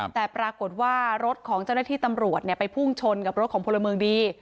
แต่ปรากฏว่ารถของเจ้าหน้าที่ตำรวจไปพุ่งชนกับรถของพลเมืองดี